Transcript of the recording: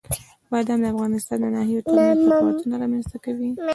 بادام د افغانستان د ناحیو ترمنځ تفاوتونه رامنځته کوي.